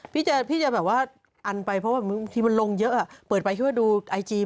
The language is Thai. อดีตแม่ประจำบานคือเกิดแบบฮัพพี่